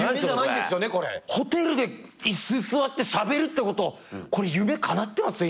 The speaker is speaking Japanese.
ホテルで椅子に座ってしゃべるってこと夢かなってますよ